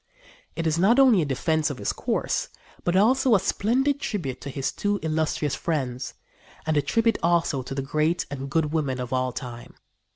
It is not only a defence of his course, but also a splendid tribute to his two illustrious friends, and a tribute also to the great and good women of all time.